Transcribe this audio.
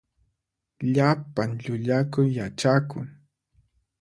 Llapan llullakuy yachakun.